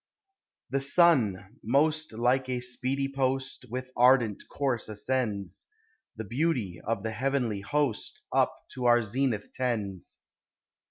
The Sun, most like a speedy post, With ardent course ascends; The beauty of the heavenly host Up to our zenith tends.